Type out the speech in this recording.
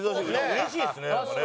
うれしいですねなんかね。